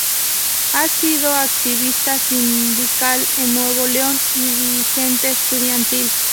Ha sido activista sindical el Nuevo León y dirigente estudiantil.